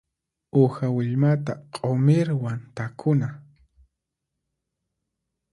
Uha willmata q'umirwan takuna.